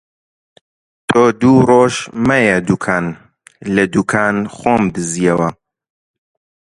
تۆ دوو ڕۆژ مەیە دووکان! لە دووکان خۆم دزییەوە